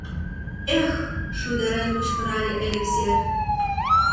— Эх!.. — шуйдарен кычкырале Элексе.